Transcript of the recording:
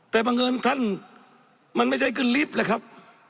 แต่บังเอิญท่านมันไม่ใช่ขึ้นลิฟต์แล้วครับ